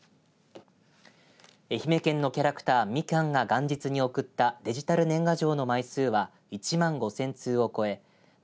愛媛県のキャラクターみきゃんが元日に送ったデジタル年賀状の枚数は１万５０００通を超えみ